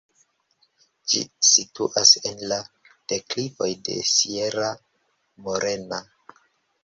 Ĝi situas en la deklivoj de Sierra Morena.